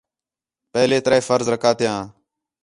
پہلے ترے فرض رکعتیان